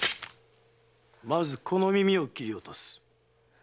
まずこの耳を斬り落とす。